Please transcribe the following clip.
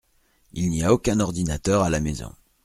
Il n’y a aucun ordinateur à la maison.